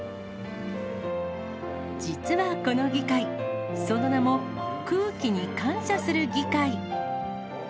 実はこの議会、その名も空気に感謝する議会。